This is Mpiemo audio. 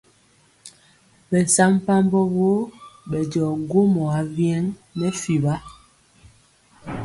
Ɓɛsampabɔ woo ɓɛ jɔ gwomɔ awyɛŋ nɛ fiɓa.